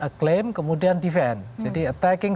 acclaim kemudian defend jadi attacking